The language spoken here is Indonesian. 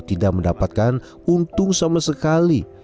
tidak mendapatkan untung sama sekali